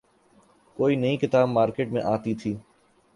کوئی نئی کتاب مارکیٹ میں آتی تھی۔